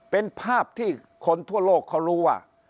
เป็นภาพที่คนทั่วโลกเขารู้ว่า